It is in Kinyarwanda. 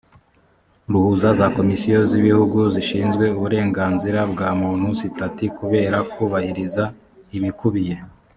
ruhuza za komisiyo z ibihugu zishinzwe uburenganzira bwa muntu sitati kubera kubahiriza ibikubiye